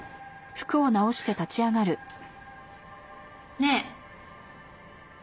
ねえ。